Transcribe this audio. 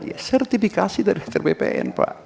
ya sertifikasi dari kantor bpn pak